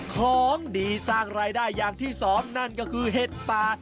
ของดีสร้างรายได้อย่างที่สองนั่นก็คือเห็ดป่า